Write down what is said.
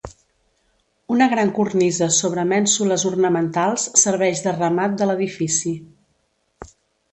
Una gran cornisa sobre mènsules ornamentals serveix de remat de l'edifici.